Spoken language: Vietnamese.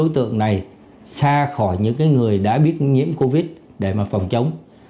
tưởng này xa khỏi những người đã biết nhiễm covid để mà phòng chống